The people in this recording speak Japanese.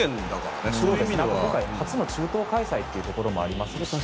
今回、初の中東開催ということもありますし。